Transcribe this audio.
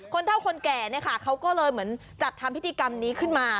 คนเท่าคนแก่เขาก็เลยเหมือนจัดทำพิธีกรรมนี้ขึ้นมา